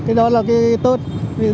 cái đó là cái tốt nhất